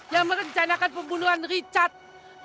yang merencanakan pembunuhan richard